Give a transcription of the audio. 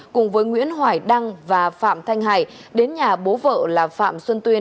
cùng với nguyễn hoài đăng và phạm thanh hải đến nhà bố vợ là phạm xuân tuyên